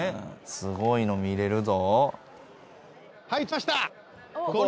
すごいの見られるぞ。